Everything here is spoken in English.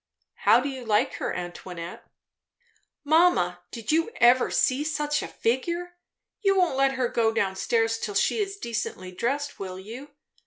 "How do you like her, Antoinette?" "Mamma, did you ever see such a figure? You won't let her go down stairs till she is decently dressed, will you?